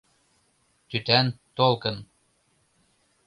Тӱтан-толкын!